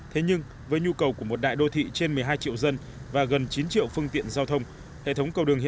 thế nhưng với nhu cầu của một đại đô thị trên một mươi hai triệu dân và gần chín triệu phương tiện giao thông